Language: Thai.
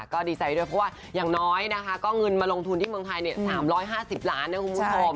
ก็ดีใจด้วยเพราะว่าอย่างน้อยนะคะก็เงินมาลงทุนที่เมืองไทยเนี่ย๓๕๐ล้านบาทนะครับคุณพุทธภอม